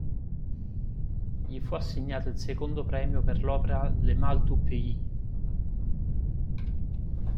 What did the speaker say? Gli fu assegnato il secondo premio per l'opera "Le mal du pays".